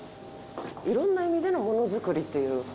いろんな意味でのものづくりという。